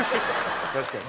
確かに。